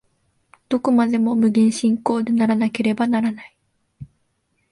どこまでも無限進行でなければならない。